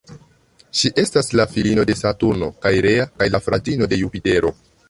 Ŝi estas la filino de Saturno kaj Rea kaj la fratino de Jupitero.